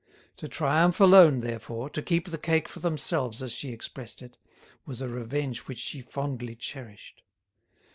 To triumph alone, therefore, to keep the cake for themselves, as she expressed it, was a revenge which she fondly cherished.